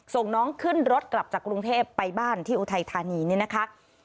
ส่งน้องขึ้นรถกลับจากกรุงเทพไปบ้านที่อุทัยธานีนี่นะคะ